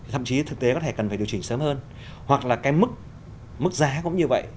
thậm chí thực tế có thể cần phải điều chỉnh sớm hơn hoặc là cái mức giá cũng như vậy